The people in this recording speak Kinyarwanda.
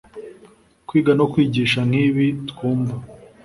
Kwiga no kwigisha nk’ibi twumva